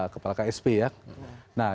kepala ksp ya